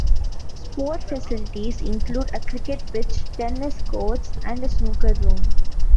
Sport facilities include a cricket pitch, tennis courts and a snooker room.